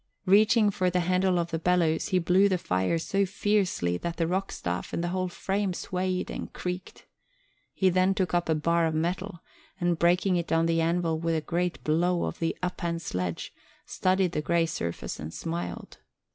Reaching for the handle of the bellows, he blew the fire so fiercely that the rockstaff and the whole frame swayed and creaked. He then took up a bar of metal and, breaking it on the anvil with a great blow of the up hand sledge, studied the grey surface and smiled.